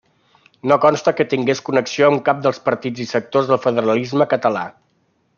No consta que tingués connexió amb cap dels partits i sectors del federalisme català.